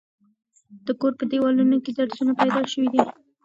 د کور په دېوالونو کې درځونه پیدا شوي دي.